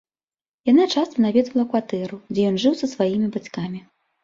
Яна часта наведвала кватэру, дзе ён жыў са сваімі бацькамі.